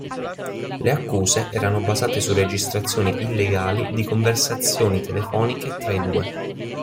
Le accuse erano basate su registrazioni illegali di conversazioni telefoniche tra i due.